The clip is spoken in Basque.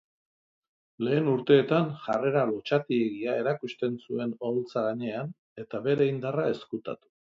Lehen urteetan jarrera lotsatiegia erakusten zuen oholtza gainean eta bere indarra ezkutatu.